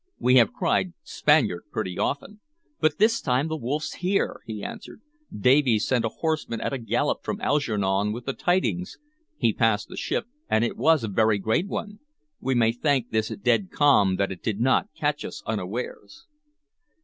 "We have cried 'Spaniard!' pretty often." "But this time the wolf's here," he answered. "Davies sent a horseman at a gallop from Algernon with the tidings. He passed the ship, and it was a very great one. We may thank this dead calm that it did not catch us unawares."